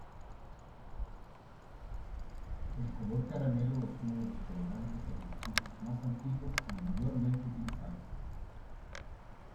El color caramelo es uno de los colorantes alimenticios más antiguos y mayormente utilizados.